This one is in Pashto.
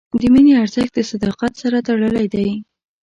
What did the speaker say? د مینې ارزښت د صداقت سره تړلی دی.